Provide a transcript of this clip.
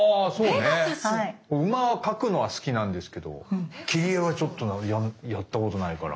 馬描くのは好きなんですけど切り絵はちょっとやったことないから。